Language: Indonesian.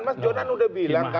mas jonan udah bilang